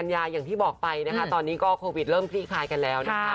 ยาอย่างที่บอกไปนะคะตอนนี้ก็โควิดเริ่มคลี่คลายกันแล้วนะคะ